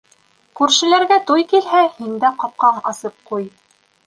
Күршеләргә туй килһә, һин дә ҡапҡаң асып ҡуй.